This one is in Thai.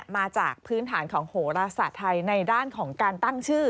มาจากพื้นฐานของโหรศาสตร์ไทยในด้านของการตั้งชื่อ